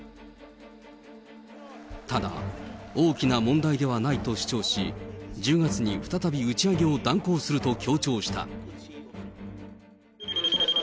ただ、大きな問題ではないと主張し、１０月にふたたび打ち上げを断行すると強調した。